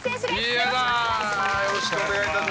よろしくお願いします。